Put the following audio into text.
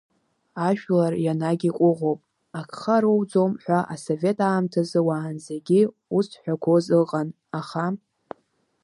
Ажәлар ианагь иҟәыӷоуп, агха роуӡом ҳәа асовет аамҭазы уаанӡагьы ус зҳәақәоз ыҟан, аха…